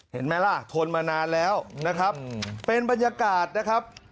เห็นไหมล่ะทนมานานแล้วนะครับเป็นบรรยากาศนะครับ